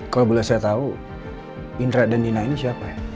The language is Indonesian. kalau boleh saya tahu indra dan nina ini siapa ya